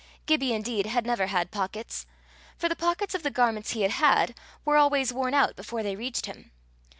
Gibbie indeed had never had pockets, for the pockets of the garments he had had were always worn out before they reached him.